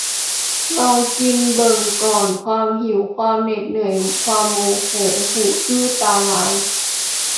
ลองกินเบิ่งก่อน ความหิว ความเหน็ดเหนื่อย ความโมโห หูอื้อตาลาย